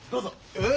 えっ？